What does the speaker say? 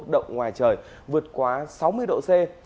động ngoài trời vượt quá sáu mươi độ c